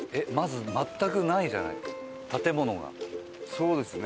そうですね。